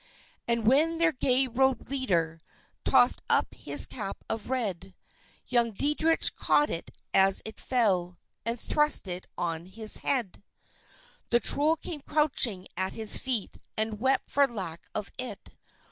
And when their gay robed leader tossed up his cap of red, Young Deitrich caught it as it fell, and thrust it on his head. The Troll came crouching at his feet and wept for lack of it.